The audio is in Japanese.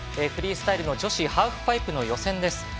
フリースタイルの女子ハーフパイプの予選です。